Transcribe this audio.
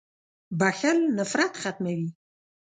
• بخښل نفرت ختموي.